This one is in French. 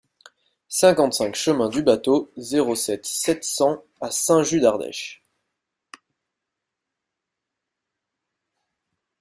cinquante-cinq chemin du Bâteau, zéro sept, sept cents à Saint-Just-d'Ardèche